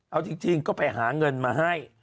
เอาจริงก็ไปหาเงินมาให้